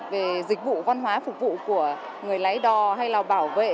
về dịch vụ văn hóa phục vụ của người lái đò hay là bảo vệ